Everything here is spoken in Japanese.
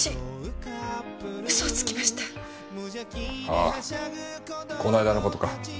ああこの間の事か。